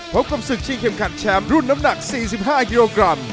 พบกับศึกที่เข็มขัดแชมป์รุ่นน้ำหนัก๔๕กิโลกรัม